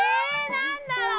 何だろう？